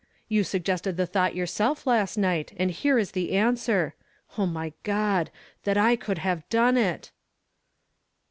You suggested the thought yourself last night, and here is the answer. O my God ! that I could have done it